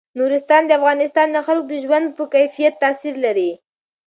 نورستان د افغانستان د خلکو د ژوند په کیفیت تاثیر لري.